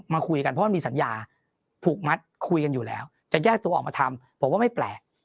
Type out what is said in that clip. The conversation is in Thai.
มาคุยกันเพราะมันมีสัญญาผูกมัดคุยกันอยู่แล้วจะแยกตัวออกมาทำผมว่าไม่แปลก